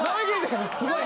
すごい。